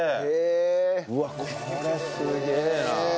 うわっこれすげえな。